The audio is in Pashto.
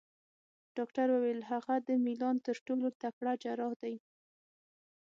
ډاکټر وویل: هغه د میلان تر ټولو تکړه جراح دی.